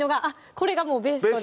これがもうベストです